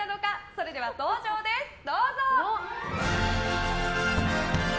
それでは登場です、どうぞ！